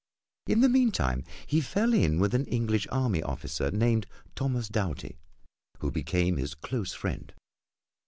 In the meantime he fell in with an English army officer named Thomas Doughty, who became his close friend.